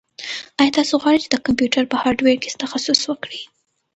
ایا تاسو غواړئ چې د کمپیوټر په هارډویر کې تخصص وکړئ؟